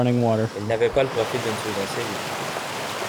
Elle n’avait pas le profil d’une tueuse en série